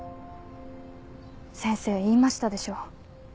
先生言いましたでしょう。